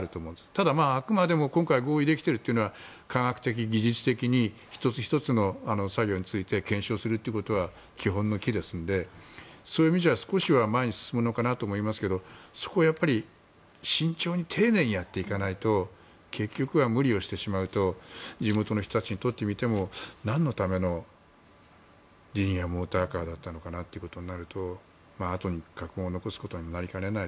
ただ、あくまで今回合意できているというのは科学的・技術的に１つ１つの作業について検証することは基本の「き」ですのでそういう意味では少しは前に進むのかなと思いますがそこは慎重に丁寧にやっていかないと結局は無理をしてしまうと地元の人たちにとってみてもなんのためのリニアモーターカーだったのかということになるとあとに禍根を残すことになりかねない